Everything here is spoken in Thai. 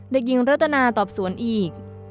เด็กหญิงรัตนาสอบสวนอีก